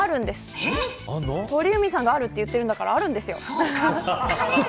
鳥海さんがあると言ってるからあるんです。